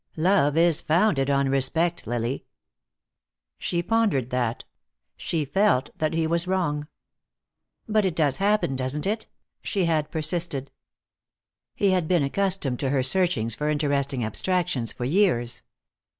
"Love is founded on respect, Lily." She pondered that. She felt that he was wrong. "But it does happen, doesn't it?" she had persisted. He had been accustomed to her searchings for interesting abstractions for years.